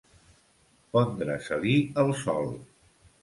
Pondre-se-li el sol.